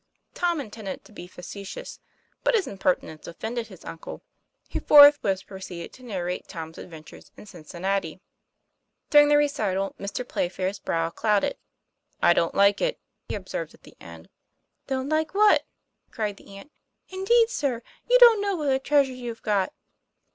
Tom intended to be facetious, but his impertinence offended his uncle, who forthwith proceeded to nar rate Tom's adventures in Cincinnati. During the recital Mr. Playfair's brow clouded. ;< I don't like it," he observed at the end. "Don't like what?" cried the aunt. "Indeed, sir, you don't know what a treasure you've got.